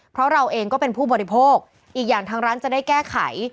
เพราะเราเองก็เป็นผู้บริโภคอีกอย่างทางร้านจะได้แก้ไข